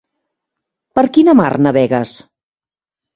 Per quina mar navegues?